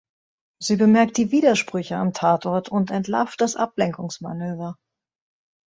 Sie bemerkt die Widersprüche am Tatort und entlarvt das Ablenkungsmanöver.